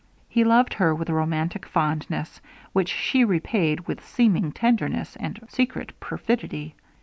He loved her with romantic fondness, which she repaid with seeming tenderness, and secret perfidy.